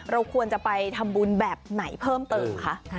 เราควรจะไปทำบุญแบบไหนเพิ่มเติมคะ